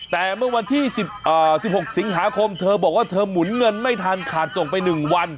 แต่เมื่อวันที่๑๖สิงหาคมเธอบอกว่าเธอหมุนเงินไม่ทันขาดส่งไป๑วัน